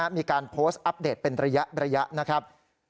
มีการโพสต์อัปเดตเป็นระยะนะครับ